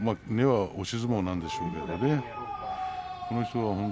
この人は。